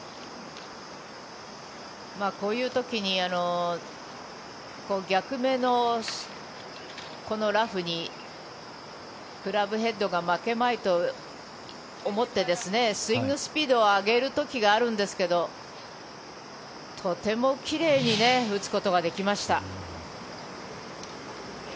こういう時に逆目のラフにクラブヘッドが負けまいと思ってスイングスピードを上げる時があるんですけどとても奇麗に打つことができました。